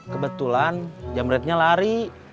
kebetulan jamretnya lari